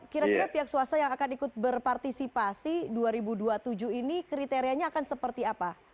kira kira pihak swasta yang akan ikut berpartisipasi dua ribu dua puluh tujuh ini kriterianya akan seperti apa